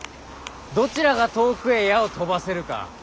どちらが遠くへ矢を飛ばせるか。